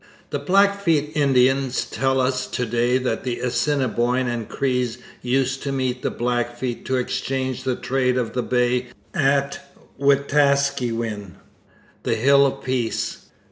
The Blackfeet Indians tell us to day that the Assiniboines and Crees used to meet the Blackfeet to exchange the trade of the Bay at Wetaskiwin, 'the Hills of Peace.'